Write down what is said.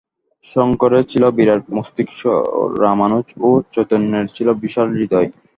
শঙ্করের ছিল বিরাট মস্তিষ্ক, রামানুজ ও চৈতন্যের ছিল বিশাল হৃদয়।